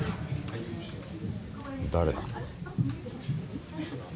誰だ？